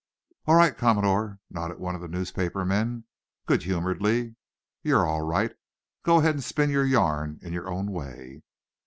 "All right, Commodore," nodded one of the newspaper men, good humoredly. "You're all right. Go ahead and spin your yarn in your own way."